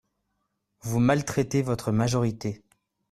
Vous maltraitez votre majorité